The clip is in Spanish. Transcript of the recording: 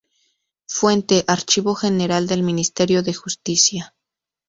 Fuente: Archivo General del Ministerio de Justicia